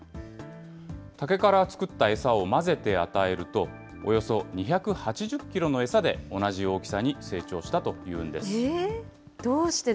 竹から作った餌を混ぜて与えると、およそ２８０キロの餌で同じ大きさに成長したというんです。